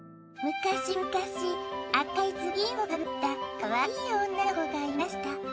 昔むかし赤い頭巾をかぶったかわいい女の子がいました。